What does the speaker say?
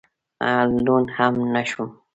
لوند هم نه شوم.